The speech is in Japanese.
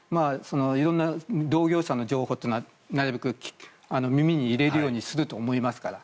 色んな同業者の情報というのはなるべく耳に入れるようにすると思いますから。